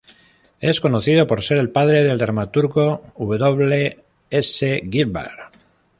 Es conocido por ser el padre del dramaturgo W. S. Gilbert.